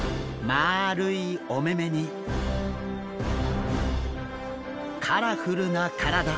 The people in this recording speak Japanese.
まあるいお目々にカラフルな体。